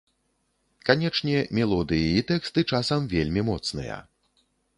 Канечне, мелодыі і тэксты часам вельмі моцныя.